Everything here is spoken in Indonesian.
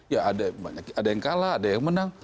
ya ada yang kalah ada yang menang